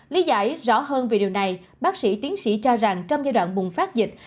lý giải rõ hơn về điều này bác sĩ tiến sĩ cho rằng trong giai đoạn bùng phát dịch